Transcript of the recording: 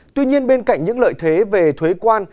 tuy nhiên bên cạnh những lợi thế về thuế quan